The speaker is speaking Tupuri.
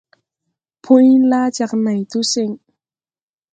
Pũy laa jāg nãy tu sen.